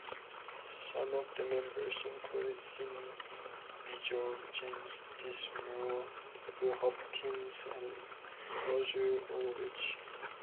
Some of the members included Sidney Bijou, James Dinsmoor, Bill Hopkins, and Roger Ulrich.